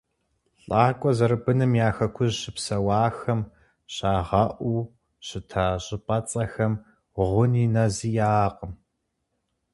Лӏакъуэ зэрыбыным я Хэкужь щыпсэуахэм щагъэӏуу щыта щӏыпӏэцӏэхэм гъуни нэзи яӏэкъым.